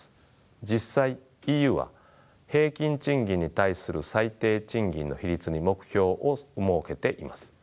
実際ＥＵは平均賃金に対する最低賃金の比率に目標を設けています。